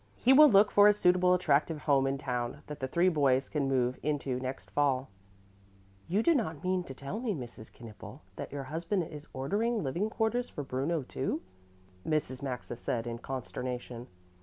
He will look for a suitable, attractive home in town that the three boys can move into next fall." "You do not mean to tell me, Mrs. Knippel, that your husband is ordering living quarters for Bruno, too?" Mrs. Maxa said in consternation.